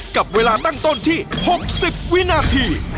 กับเวลาตั้งต้นที่๖๐วินาที